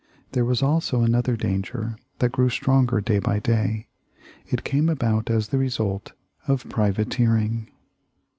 There was also another danger that grew stronger day by day. It came about as the result of privateering.